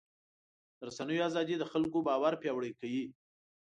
د رسنیو ازادي د خلکو باور پیاوړی کوي.